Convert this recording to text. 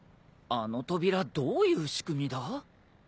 あの扉どういう仕組みだ？